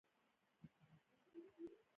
افغانانو ته د ژوند کولو لارې چارې برابرې کړې